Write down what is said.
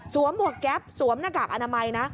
หมวกแก๊ปสวมหน้ากากอนามัยนะ